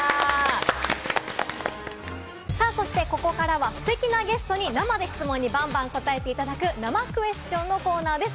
ここからはステキなゲストに生で質問にバンバン答えていただく生クエスチョンのコーナーです。